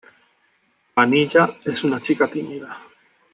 Vanilla es una chica tímida.